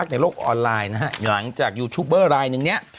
ในโลกออนไลน์นะฮะหลังจากยูทูปเบอร์รายนึงเนี่ย